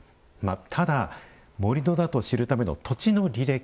ただ、盛土だと知るための土地の履歴。